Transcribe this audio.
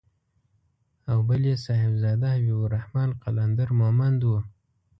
او بل يې صاحبزاده حبيب الرحمن قلندر مومند و.